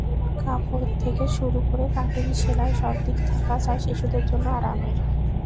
কাপড় থেকে শুরু করে কাটিং, সেলাই—সবদিক থাকা চাই শিশুদের জন্য আরামের।